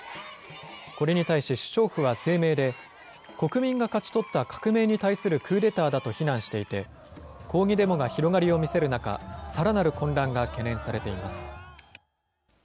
これに対し首相府は声明で、国民が勝ち取った革命に対するクーデターだと非難していて、抗議デモが広がりを見せる中、さらなる混乱が懸念されています。